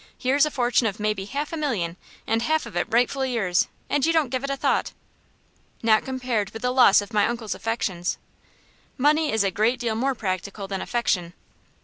"Here's a fortune of maybe half a million, and half of it rightfully yours, and you don't give it a thought." "Not compared with the loss of my uncle's affections." "Money is a great deal more practical than affection."